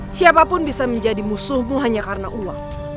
siapapun bisa menjadi musuhmu hanya karena uang